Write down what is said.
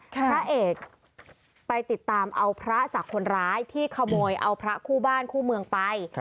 พระเอกไปติดตามเอาพระจากคนร้ายที่ขโมยเอาพระคู่บ้านคู่เมืองไป